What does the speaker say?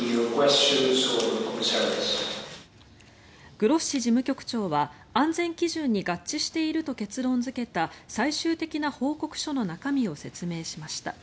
グロッシ事務局長は安全基準に合致していると結論付けた最終的な報告書の中身を説明しました。